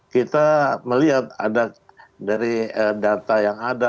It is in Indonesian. kita melihat ada dari data yang ada